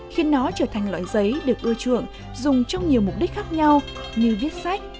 khiến nó trở thành loại giấy được ưa chuộng dùng trong nhiều mục đích khác nhau như viết sách